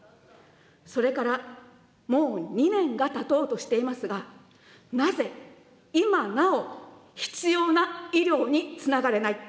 それから、もう２年がたとうとしていますが、なぜ、今なお、必要な医療につながれない。